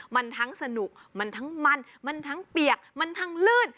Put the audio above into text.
มันทั้งสนุกมันทั้งมันมันทั้งเปียกมันทั้งลื่น